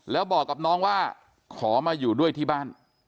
แล้วบอกกับน้องว่าขอมาอยู่ด้วยที่บ้าน